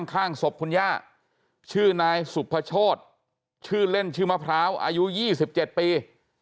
ข้างศพคุณย่าชื่อนายสุภโชธชื่อเล่นชื่อมะพร้าวอายุ๒๗ปี